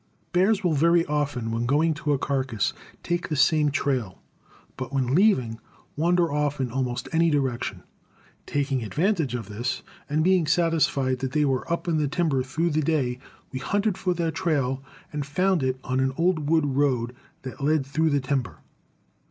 Bears will very often, when going to a carcass, take the same trail, but when leaving, wander off in almost any direction. Taking advantage of this, and being satisfied that they were up in the timber through the day, we hunted for their trail, and found it on an old wood road that led through the timber.